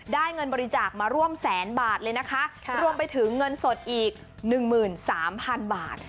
เงินบริจาคมาร่วมแสนบาทเลยนะคะรวมไปถึงเงินสดอีก๑๓๐๐๐บาท